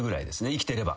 生きてれば。